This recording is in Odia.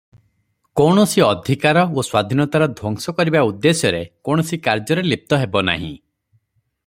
କୌଣସି ଅଧିକାର ଓ ସ୍ୱାଧୀନତାର ଧ୍ୱଂସ କରିବା ଉଦ୍ଦେଶ୍ୟରେ କୌଣସି କାର୍ଯ୍ୟରେ ଲିପ୍ତ ହେବନାହିଁ ।